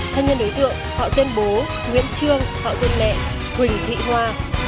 thân nhân đối tượng họ tên bố nguyễn trương họ tên mẹ huỳnh thị hoa